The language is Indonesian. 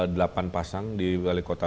delapan pasang di wali kota